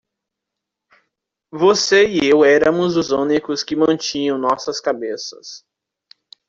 Você e eu éramos os únicos que mantinham nossas cabeças.